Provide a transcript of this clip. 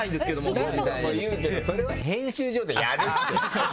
何度も言うけどそれは編集所でやるって。